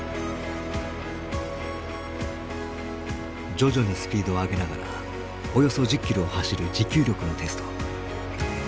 徐々にスピードを上げながらおよそ１０ｋｍを走る持久力のテスト。